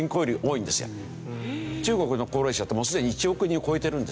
中国の高齢者ってもうすでに１億人を超えてるんですよね。